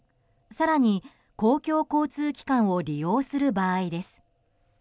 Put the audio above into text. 更に、公共交通機関を利用する場合です。